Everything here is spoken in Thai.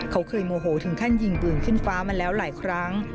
เขาเคยโมโหถึงขั้นยิงปืนขึ้นฟ้ามาแล้วหลายครั้ง